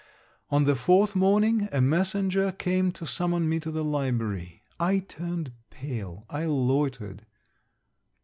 On the fourth morning, a messenger came to summon me to the library. I turned pale, I loitered.